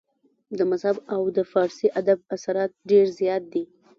د مذهب او د فارسي ادب اثرات ډېر زيات دي